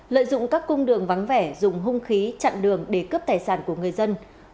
lợi dụng các cung đường vắng vẻ dùng hung khí chặn đường để cướp tài sản của người dân